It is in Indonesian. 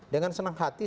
dengan senang hati